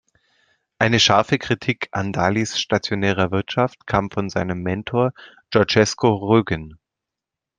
Eine scharfe Kritik an Dalys stationärer Wirtschaft kam von seinem Mentor Georgescu-Roegen.